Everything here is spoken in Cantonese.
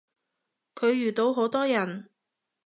佢遇到好多人